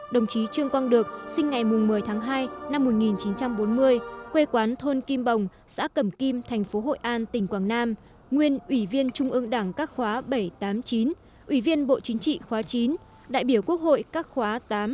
đồng chí trương quang được sinh ngày một mươi tháng hai năm một nghìn chín trăm bốn mươi quê quán thôn kim bồng xã cẩm kim thành phố hội an tỉnh quảng nam nguyên ủy viên trung ương đảng các khóa bảy trăm tám mươi chín ủy viên bộ chính trị khóa chín đại biểu quốc hội các khóa tám